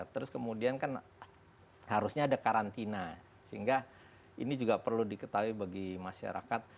terus kemudian kan harusnya ada karantina sehingga ini juga perlu diketahui bagi masyarakat